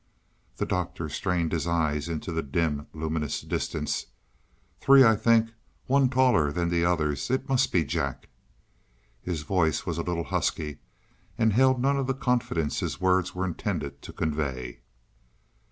The Doctor strained his eyes into the dim, luminous distance. "Three, I think one taller than the others; it must be Jack." His voice was a little husky, and held none of the confidence his words were intended to convey.